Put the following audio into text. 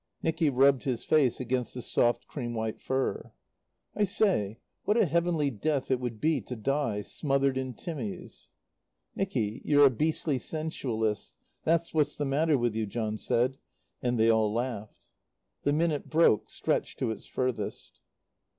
Nicky rubbed his face against the soft, cream white fur. "I say, what a heavenly death it would be to die smothered in Timmies." "Nicky, you're a beastly sensualist. That's what's the matter with you," John said. And they all laughed. The minute broke, stretched to its furthest.